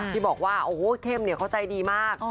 ที่บอกว่าเข้มเขาใจดีมาก